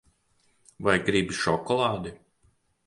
Vai gribi šokolādi?